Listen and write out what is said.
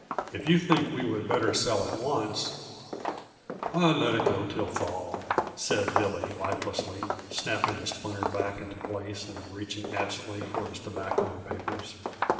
If you think we would better sell at once " "I'd let 'em go till fall," said Billy lifelessly, snapping the splinter back into place and reaching absently for his tobacco and papers.